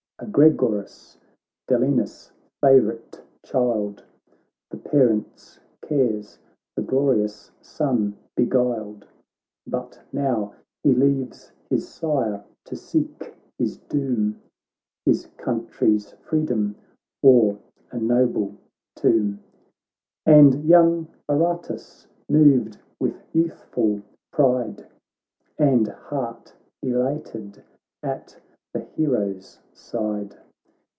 Agregoras, Delenus' favourite child ; The parent's cares the glorious son be guiled ; But now he leaves his sire to seek his doom, His country's freedom or a noble tomb. And young Aratus, moved with youthful pride, And heart elated at the hero's side.